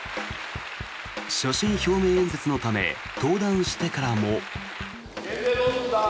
所信表明演説のため登壇してからも。